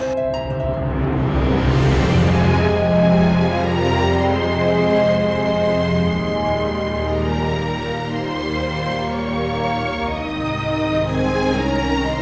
tengerin mu jadinya